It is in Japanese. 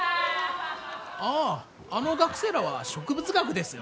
あああの学生らは植物学ですよ。